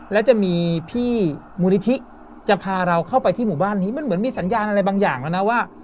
แล้วจะมีพี่มูลนิธิจะพาเราเข้าไปที่หมู่บ้านนี้มันเหมือนมีสัญญาณอะไรบางอย่างแล้วนะว่า